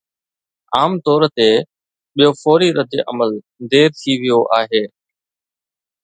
عام طور تي ٻيو فوري رد عمل دير ٿي ويو آهي.